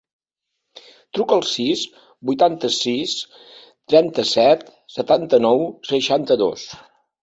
Truca al sis, vuitanta-sis, trenta-set, setanta-nou, seixanta-dos.